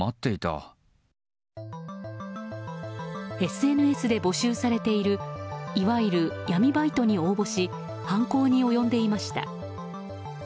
ＳＮＳで募集されているいわゆる闇バイトに応募し犯行に及んでいました。